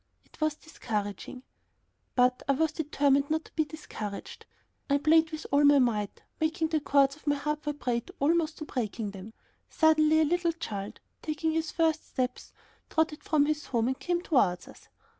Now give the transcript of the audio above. It was discouraging. But I was determined not to be discouraged. I played with all my might, making the cords of my harp vibrate, almost to breaking them. Suddenly a little child, taking its first steps, trotted from his home and came towards us.